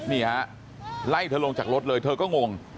นี่ฮะไล่เธอลงจากรถเลยเธอก็งง